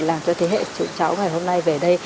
làm cho thế hệ chủ cháu ngày hôm nay về đây